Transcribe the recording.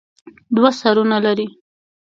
دوه سرونه لري.